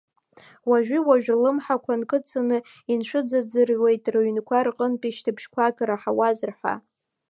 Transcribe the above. Уажәы-уажә рлымҳақәа нкыдҵаны инцәыҵаӡырҩуеит, рыҩнқәа рҟынтәи шьҭыбжьқәак раҳауазар ҳәа.